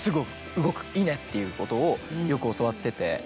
「いいね？」っていうことをよく教わってて。